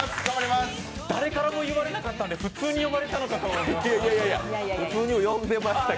誰からも言われなかったので、普通に呼ばれたのかと思いました。